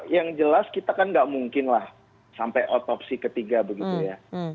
yang jelas kita kan tidak mungkinlah sampai otopsi ketiga begitu ya